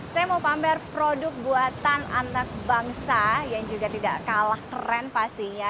saya mau pamer produk buatan anak bangsa yang juga tidak kalah keren pastinya